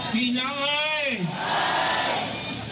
พี่น้องเฮ้ยพี่น้องเฮ้ย